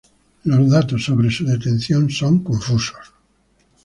Los datos sobre su detención son confusos.